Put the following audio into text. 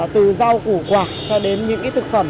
từ rau củ quả cho đến những thực phẩm